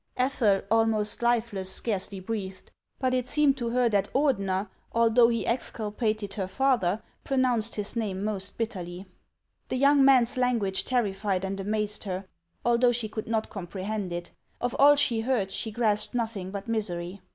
Ethel, almost lifeless, scarcely breathed ; but it seemed to her that Ordener, although he exculpated her father, pronounced his name most bitterly. The young man's language terrified and amazed her, although she could not comprehend it. Of all she heard, she grasped nothing but misery.